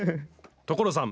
所さん